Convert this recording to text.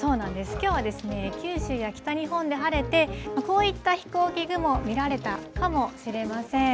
きょうは九州や北日本で晴れて、こういった飛行機雲、見られたかもしれません。